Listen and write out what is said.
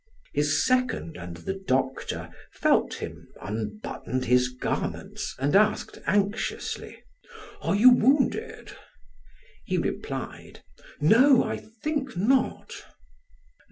His second and the doctor felt him, unbuttoned his garments, and asked anxiously: "Are you wounded?" He replied: "No, I think not."